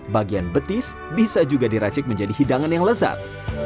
bagian betis bisa juga diracik menjadi hidangan yang lezat